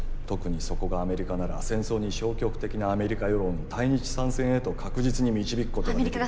特にそこがアメリカなら戦争に消極的なアメリカ世論を対日参戦へと確実に導くことができる。